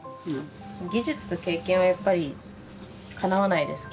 技術と経験はやっぱりかなわないですけどね。